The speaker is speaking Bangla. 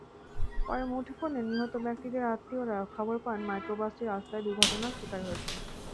পরে মুঠোফোনে নিহত ব্যক্তিদের আত্মীয়রা খবর পান মাইক্রোবাসটি রাস্তায় দুর্ঘটনার শিকার হয়েছেন।